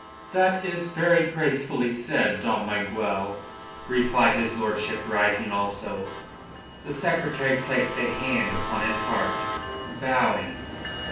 "That is very gracefully said, Dom Miguel," replied his lordship, rising also. The Secretary placed a hand upon his heart, bowing.